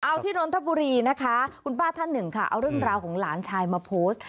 เอาที่นนทบุรีนะคะคุณป้าท่านหนึ่งค่ะเอาเรื่องราวของหลานชายมาโพสต์